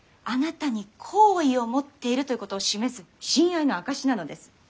「あなたに好意を持っている」ということを示す親愛の証しなのです。